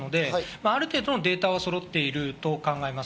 ある程度のデータはそろっていると考えます。